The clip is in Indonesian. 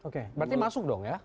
berarti masuk dong ya